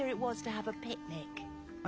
あ